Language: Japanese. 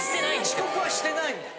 遅刻はしてないんだ。